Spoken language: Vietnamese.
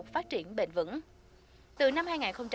phát triển bền vững từ năm